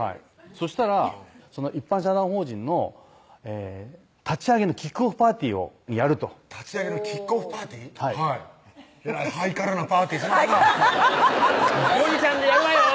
そしたら一般社団法人の立ち上げのキックオフパーティーをやると立ち上げのキックオフパーティーはいえらいハイカラなパーティーしますなぁ「ゴニちゃんでやるわよ！